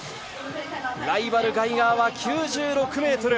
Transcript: ライバル、ガイガーは９６ｍ。